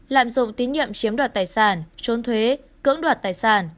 lạm dụng tín nhiệm chiếm đoạt tài sản trốn thuế cưỡng đoạt tài sản